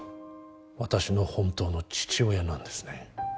私の本当の父親なんですね